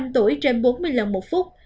một năm tuổi trên bốn mươi lần một phút